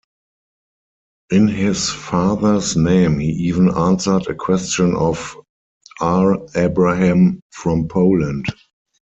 In his father's name he even answered a question of R. Abraham from Poland.